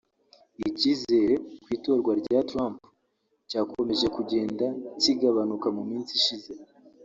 Icyizere ku itorwa rya Trump cyakomeje kugenda kigabanuka mu minsi ishize